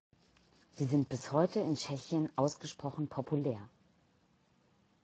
Sie sind bis heute in Tschechien ausgesprochen populär.